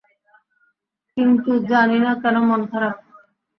কিন্তু জানি না কেন মন খারাপ।